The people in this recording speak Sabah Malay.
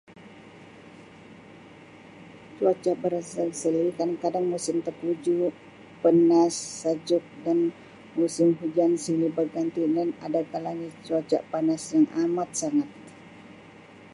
Cuaca berselang-seli kadang-kadang musim tengkujuh, penas, sajuk dan musim hujan silih berganti dan ada kalanya cuaca panas yang amat sangat.